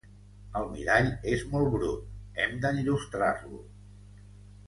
El mirall és molt brut: hem d'enllustrar-lo.